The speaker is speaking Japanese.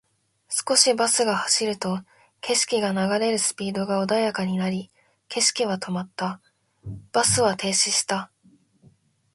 少しバスが走ると、景色が流れるスピードが緩やかになり、景色は止まった。バスは停止した。